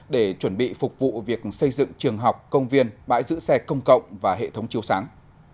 để chuẩn bị phục vụ việc xây dựng trường học công viên bãi giữ xe công cộng và hệ thống chiêu sáng